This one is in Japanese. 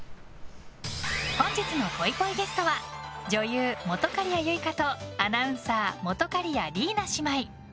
本日のぽいぽいゲストは女優・本仮屋ユイカとアナウンサー本仮屋リイナ姉妹！